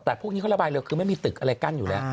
แต่พวกนี้เขาระบายเร็วคือไม่มีตึกอะไรกั้นอยู่แล้ว